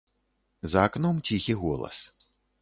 За акном ціхі голас.